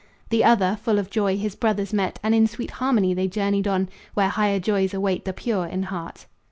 The other, full of joy, his brothers met, And in sweet harmony they journeyed on Where higher joys await the pure in heart.